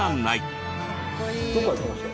どこから来ました？